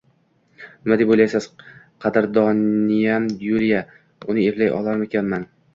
Nima deb oʻylaysiz, qadrdonim Yuliya, uni eplay olarmikanman?